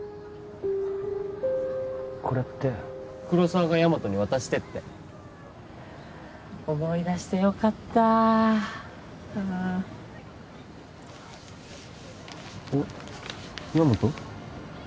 これって黒沢がヤマトに渡してって思い出してよかったおっヤマト？